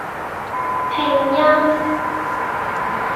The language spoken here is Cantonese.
拼音